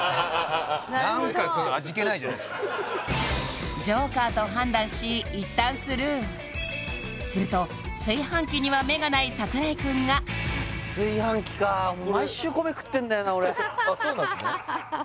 なるほど何かちょっとＪＯＫＥＲと判断し一旦スルーすると炊飯器には目がない櫻井くんが炊飯器か毎週米食ってんだよな俺あっそうなんすね・